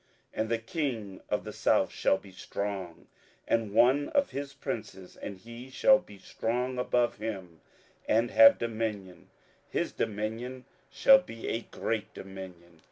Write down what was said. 27:011:005 And the king of the south shall be strong, and one of his princes; and he shall be strong above him, and have dominion; his dominion shall be a great dominion.